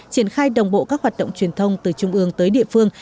triển khai đồng bộ các hoạt động truyền thông từ trung ương tới địa phương